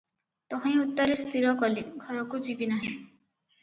ତହିଁ ଉତ୍ତାରେ ସ୍ଥିର କଲି, ଘରକୁ ଯିବି ନାହିଁ ।